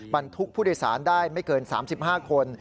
บรรทุกผู้โดยสารได้ไม่เกิน๓๕คน